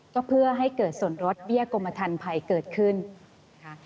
ก็เพื่อให้เกิดส่วนลดเบี้ยกรมทันภัยเกิดขึ้นค่ะ